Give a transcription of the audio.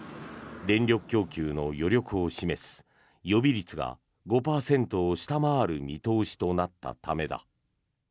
電力供給の余力を示す予備率が５％を下回る見通しとなったためだ。